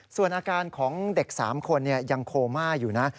ส่วนอาการของเด็ก๓คนยังโคม่าอยู่นะ